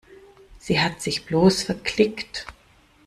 Sie hat sich bloß verklickt.